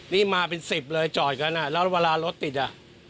นี่มาเป็นสิบเลยจอดกันอ่ะแล้วเวลารถติดอ่ะ